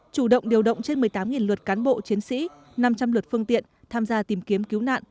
chủ động điều động trên một mươi tám luật cán bộ chiến sĩ năm trăm linh lượt phương tiện tham gia tìm kiếm cứu nạn